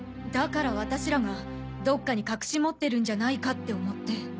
だから私らがどっかに隠し持ってるんじゃないかって思って。